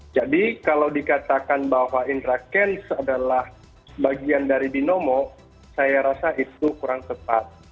jadi kalau dikatakan bahwa indrakenz adalah bagian dari binomo saya rasa itu kurang tepat